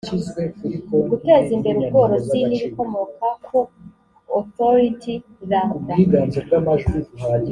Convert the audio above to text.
guteza imbere ubworozi n ibikomoka ku authority rarda